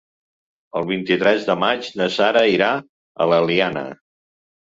El vint-i-tres de maig na Sara irà a l'Eliana.